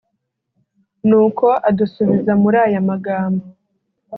nuko adusubiza muri aya magambo